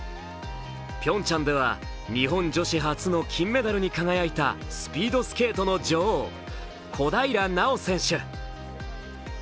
ピョンチャンでは日本女子初の金メダルに輝いたスピードスケートの女王・小平奈緒選手。